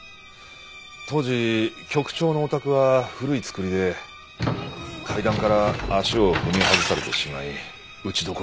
当時局長のお宅は古い造りで階段から足を踏み外されてしまい打ちどころが悪くて即死でした。